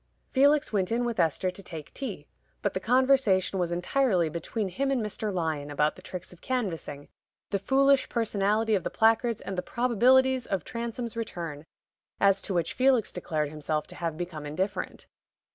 Felix went in with Esther to take tea, but the conversation was entirely between him and Mr. Lyon about the tricks of canvassing, the foolish personality of the placards, and the probabilities of Transome's return, as to which Felix declared himself to have become indifferent.